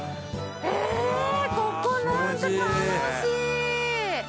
えここ何か楽しい！